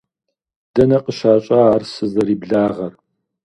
Дэнэ къыщащӀа ар сызэриблагъэр?